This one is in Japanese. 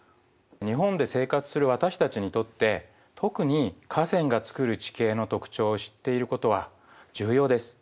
日本で生活する私たちにとって特に河川がつくる地形の特徴を知っていることは重要です。